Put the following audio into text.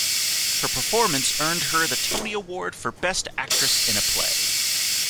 Her performance earned her the Tony Award for Best Actress in a Play.